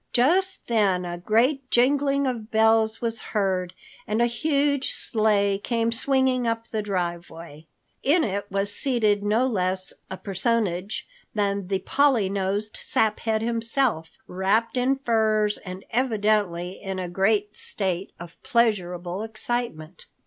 Just then a great jingling of bells was heard and a huge sleigh came swinging up the driveway. In it was seated no less a personage than the Polly nosed Saphead himself, wrapped in furs and evidently in a great state of pleasurable excitement.